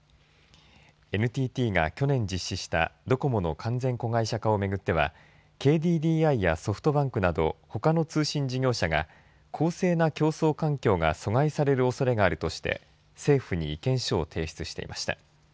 ＮＴＴが去年実施したドコモの完全子会社化をめぐってはＫＤＤＩやソフトバンクなどほかの通信事業者が公正な競争環境が阻害されるおそれがあるとして政府に意見書を提出していました。